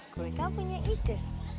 gue gak punya ide